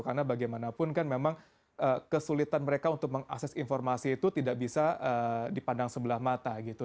karena bagaimanapun kan memang kesulitan mereka untuk mengakses informasi itu tidak bisa dipandang sebelah mata gitu